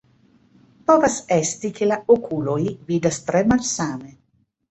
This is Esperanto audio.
Povas esti, ke la okuloj vidas tre malsame.